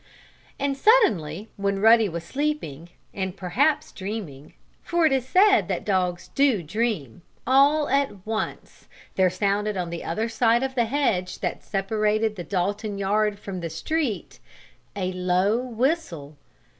And suddenly, when Ruddy was sleeping, and perhaps dreaming, for it is said that dogs do dream, all at once there sounded on the other side of the hedge that separated the Dalton yard from the street, a low whistle.